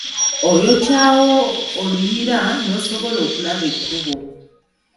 Oyokyawo oluyiira n’osobola okulaba ekkubo.